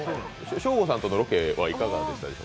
ショーゴさんとのロケはいかがでしたか？